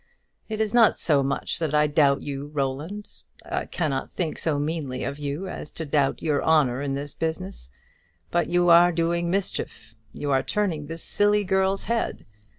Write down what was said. It is not so much that I doubt you, Roland; I cannot think so meanly of you as to doubt your honour in this business. But you are doing mischief; you are turning this silly girl's head.